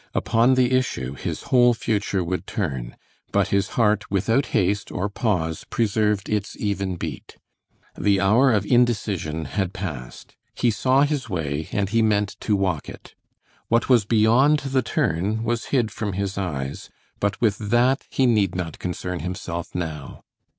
Upon the issue his whole future would turn, but his heart without haste or pause preserved its even beat. The hour of indecision had passed. He saw his way and he meant to walk it. What was beyond the turn was hid from his eyes, but with that he need not concern himself now.